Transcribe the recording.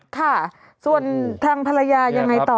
ค่ะส่วนทางภรรยายังไงต่อ